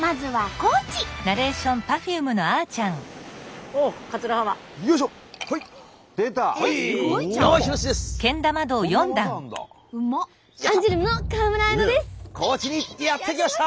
高知にやって来ました！